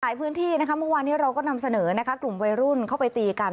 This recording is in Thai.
พื้นที่นะคะเมื่อวานนี้เราก็นำเสนอนะคะกลุ่มวัยรุ่นเข้าไปตีกัน